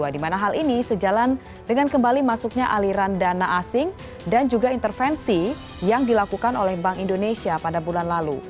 di mana hal ini sejalan dengan kembali masuknya aliran dana asing dan juga intervensi yang dilakukan oleh bank indonesia pada bulan lalu